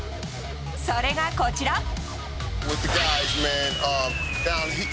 それが、こちら。